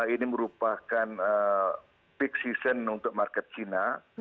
ini merupakan peak season untuk market china